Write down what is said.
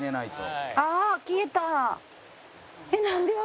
ああ消えた。